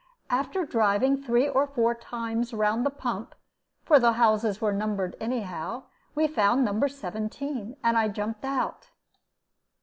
After driving three or four times round the pump, for the houses were numbered anyhow, we found No. 17, and I jumped out.